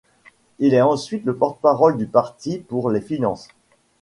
Il est ensuite le porte-parole du parti pour les finances.